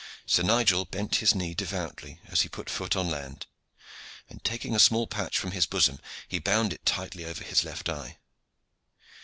Sir Nigel bent his knee devoutly as he put foot on land, and taking a small black patch from his bosom he bound it tightly over his left eye.